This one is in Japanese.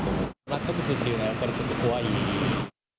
落下物というのはやっぱりちょっと怖い。